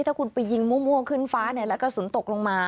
ถ้าคุณไปยิงมั่วขึ้นฟ้าแล้วกระสุนตกลงมา